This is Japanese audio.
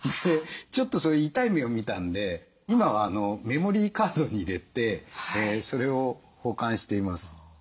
ちょっと痛い目を見たんで今はメモリーカードに入れてそれを保管しています。